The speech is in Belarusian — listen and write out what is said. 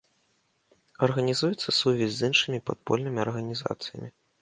Арганізуецца сувязь з іншымі падпольнымі арганізацыямі.